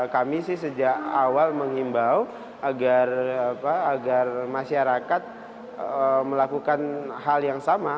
kami sih sejak awal mengimbau agar masyarakat melakukan hal yang sama